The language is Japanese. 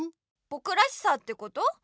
ぼくらしさってこと？